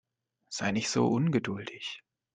Sei nicht so ungeduldig.